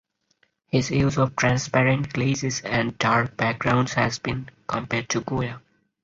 His use of transparent glazes and dark backgrounds has been compared to Goya.